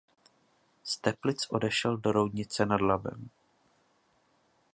Z Teplic odešel do Roudnice nad Labem.